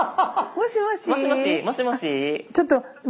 もしもし。